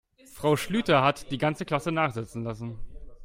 Frau Schlüter hat die ganze Klasse nachsitzen lassen.